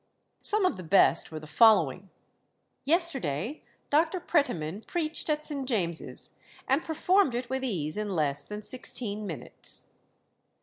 Some of the best were the following: "Yesterday Dr. Pretyman preached at St. James's, and performed it with ease in less than sixteen minutes."